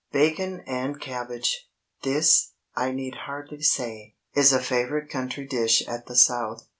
BACON AND CABBAGE. This, I need hardly say, is a favorite country dish at the South.